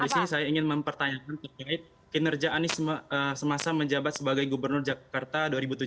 di sini saya ingin mempertanyakan terkait kinerja anies semasa menjabat sebagai gubernur jakarta dua ribu tujuh belas dua ribu dua puluh dua